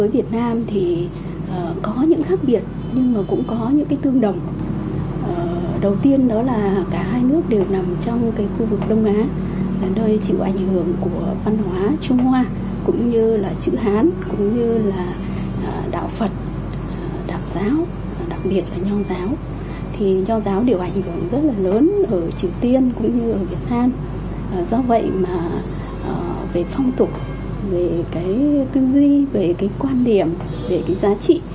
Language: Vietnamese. vậy mà về phong tục về cái tư duy về cái quan điểm về cái giá trị